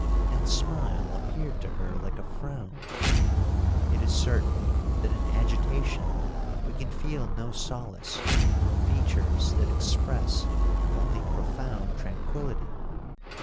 That smile appeared to her like a frown. It is certain, that in agitation we can feel no solace from features that express only profound tranquillity.